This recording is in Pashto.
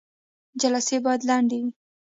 جلسې باید لنډې وي